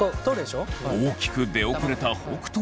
大きく出遅れた北斗は。